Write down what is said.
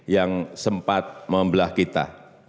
yang sempat membelah kita